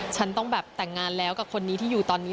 ฉันต้องแบบแต่งงานแล้วกับคนนี้ที่อยู่ตอนนี้